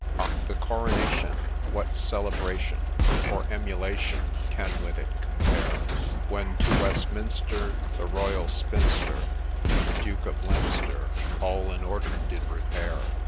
OCR ! the Coronation ! what celebration For emulation can with it compare ? When to Westminster the Royal Spinster, And the Duke of Leinster, all in order did repair